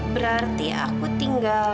berarti aku tinggal